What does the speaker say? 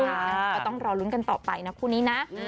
ก็ต้องรอลุ้นกันต่อไปนะคู่นี้นะ